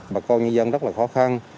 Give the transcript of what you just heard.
bà con nhân dân rất là khó khăn